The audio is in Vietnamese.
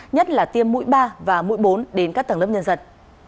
nhất là tiêm mũi ba và mũi bốn đến các tầng lớp nhân dân